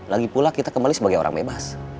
lagi pula kita kembali sebagai orang bebas